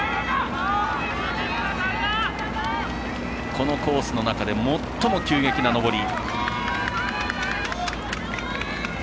このコースの中で最も急激な上り。